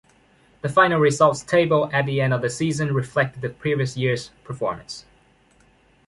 The final results table at the end of the season reflected the previous year’s performance.